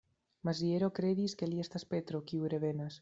Maziero kredis, ke li estas Petro, kiu revenas.